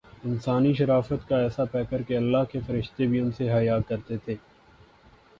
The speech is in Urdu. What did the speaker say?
انسانی شرافت کاایسا پیکرکہ اللہ کے فرشتے بھی ان سے حیا کرتے تھے۔